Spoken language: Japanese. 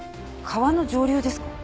川の上流ですか？